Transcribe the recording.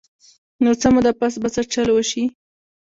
نو څۀ موده پس به څۀ چل اوشي -